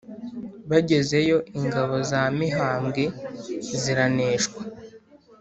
bagezeyo ingabo za mihambwe ziraneshwa